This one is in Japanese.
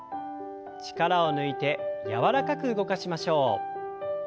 力を抜いて柔らかく動かしましょう。